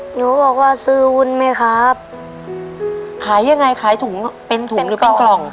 หนูบอกว่าซื้อวุ้นไหมครับขายยังไงขายถุงเป็นถุงหรือเป็นกล่อง